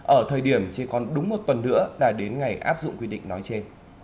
ở thời điểm chỉ còn đúng một tuần nữa đã đến ngày áp dụng quy định nói chê